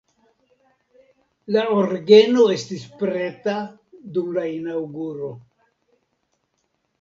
La orgeno estis preta dum la inaŭguro.